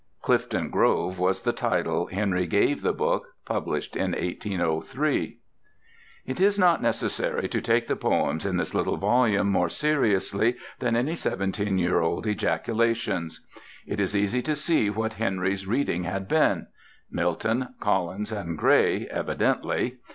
"Clifton Grove" was the title Henry gave the book, published in 1803. It is not necessary to take the poems in this little volume more seriously than any seventeen year old ejaculations. It is easy to see what Henry's reading had been—Milton, Collins, and Gray, evidently.